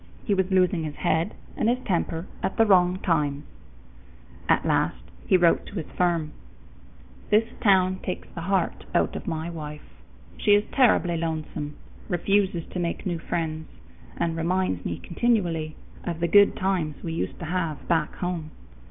He was losing his head and his temper at the wrong times. At last he wrote to his firm: "This town takes the heart out of my wife. She is terribly lonesome, refuses to make new friends, and reminds me continually of the good times we used to have back home.